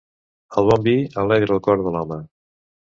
El bon vi alegra el cor de l'home.